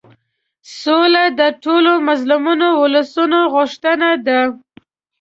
سوله د ټولو مظلومو اولسونو غوښتنه ده.